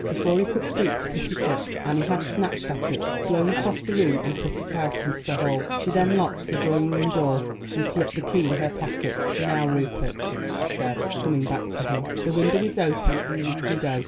Before he could stoop to pick it up, Annie had snatched at it, flown across the room, and put it out into the hall. She then locked the drawing room door, and slipped the key into her pocket. "Now, Rupert," she said, coming back to him, "the window is open, and you can go.